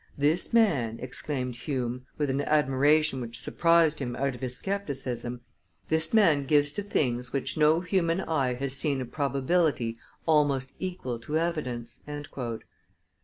"This man," exclaimed Hume, with an admiration which surprised him out of his scepticism, "this man gives to things which no human eye has seen a probability almost equal to evidence."